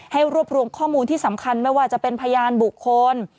รวบรวมข้อมูลที่สำคัญไม่ว่าจะเป็นพยานบุคคล